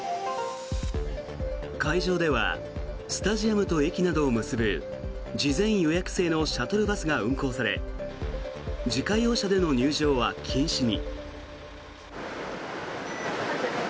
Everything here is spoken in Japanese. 会場ではスタジアムと駅などを結ぶ事前予約制のシャトルバスが運行され自家用車での入場は禁止に。